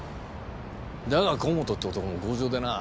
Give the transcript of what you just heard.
だが河本って男も強情でな。